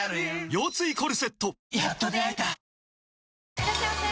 いらっしゃいませ！